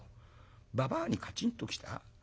ばばあにカチンときた？